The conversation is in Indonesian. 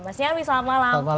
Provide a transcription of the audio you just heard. mas nyarwi selamat malam